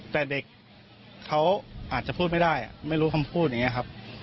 แต่เด็กเขาอาจจะพูดไม่ได้ไม่รู้คำพูดอย่างนี้ครับ